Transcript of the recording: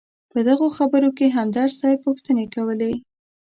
په دغه خبرو کې همدرد صیب پوښتنې کولې.